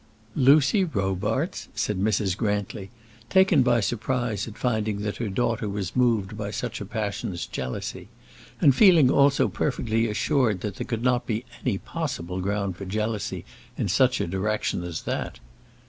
"Lucy Robarts!" said Mrs. Grantly, taken by surprise at finding that her daughter was moved by such a passion as jealousy, and feeling also perfectly assured that there could not be any possible ground for jealousy in such a direction as that.